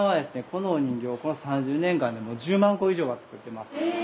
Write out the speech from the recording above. このお人形をこの３０年間で１０万個以上は作ってます。